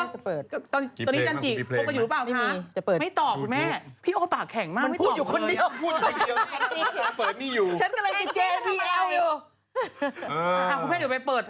ฉันเอาสแตนดี้คุณก็เดินเปิดเพลงไปเรื่อยเรื่อยอ่ะ